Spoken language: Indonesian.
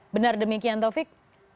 benar demikian taufik